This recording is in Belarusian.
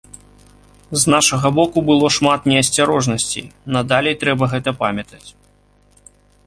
З нашага боку было шмат неасцярожнасцей, надалей трэба гэта памятаць.